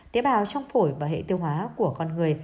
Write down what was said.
tế bào trong phổi và hệ tiêu hóa của con người